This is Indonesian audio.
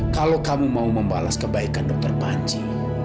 kalau kamu mau membalas kebaikan dokter panci